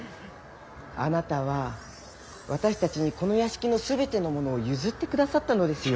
あなたは私たちにこの屋敷の全てのものを譲ってくださったのですよ。